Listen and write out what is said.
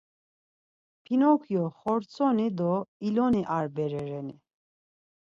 Pinokyo xortsoni do iloni ar bere reni?